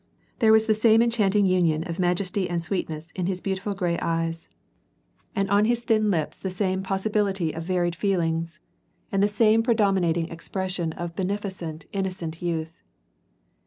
There was the same en chanting union of majesty and sweetness in his beautiful gray WAR AND PEACS. 837 eyee, and on his thin lips the same possibility of varied feel ings, and the same predominating expression of beneficent, innocent youth.